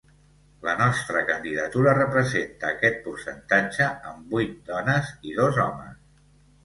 La nostra candidatura representa aquest percentatge amb vuit dones i dos homes.